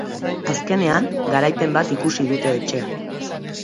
Azkenean, garaipen bat ikusi dute etxean.